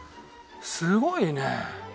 すごいね。